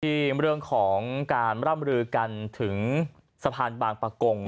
ที่เรื่องของการร่ำลือกันถึงสะพานบางปะกง